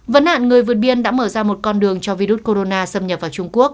vấn nạn người vượt biên đã mở ra một con đường cho virus corona xâm nhập vào trung quốc